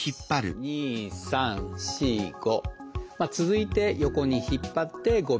１２３４５。